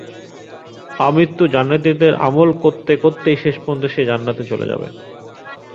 আমৃত্যু জান্নাতীদের আমল করতে করতেই শেষ পর্যন্ত সে জান্নাতে চলে যাবে।